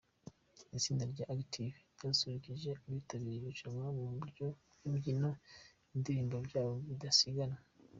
Itsinda rya Active ryasusurukije abitabiriye irushanwa mu buryo bw'imbyino n'indirimbo byabo bidasigana.